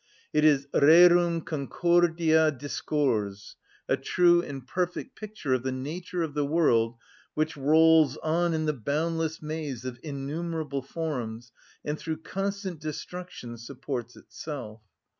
It is rerum concordia discors, a true and perfect picture of the nature of the world which rolls on in the boundless maze of innumerable forms, and through constant destruction supports itself.